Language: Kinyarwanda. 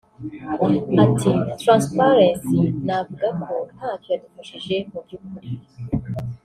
Ati “Transparency navuga ko ntacyo yadufashije mu by’ukuri